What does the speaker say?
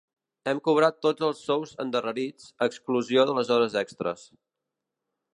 Hem cobrat tots els sous endarrerits, a exclusió de les hores extres.